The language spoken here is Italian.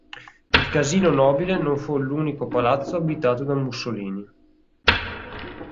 Il Casino Nobile non fu l'unico palazzo abitato da Mussolini.